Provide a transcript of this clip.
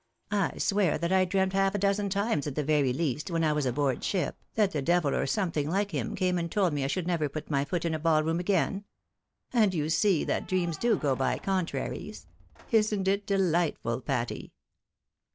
I swear that I dreamt lialf a dozen times at the very least, when I was aboard ship, that the devil, or something like him, came and told me I should never put my foot in a ball room again. And you see that dreams do go by contraries. Isn't it delightful, Patty